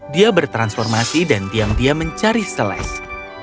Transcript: dia bertransformasi dan diam diam mencari seles